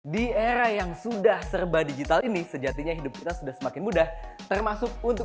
di era yang sudah serba digital ini sejatinya hidup kita sudah semakin mudah termasuk untuk